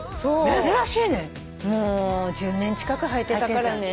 もう１０年近く履いてたからね。